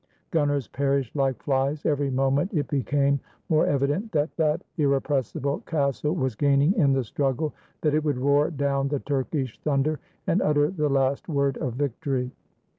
Gunners perished like flies. Every moment it became more evident that that irrepressible castle was gaining in the struggle, that it would roar down the Turkish thunder, and utter the last word of victory.